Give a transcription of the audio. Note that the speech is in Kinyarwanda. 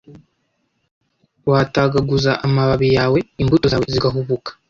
watagaguza amababi yawe, imbuto zawe zigahubuka,